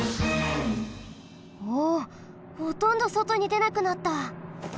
おおほとんどそとにでなくなった！